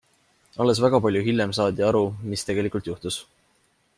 Alles väga palju hiljem saadi aru, mis tegelikult juhtus.